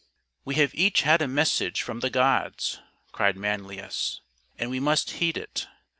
" We have each had a message from the gods," cried Manlius, " and we must heed it.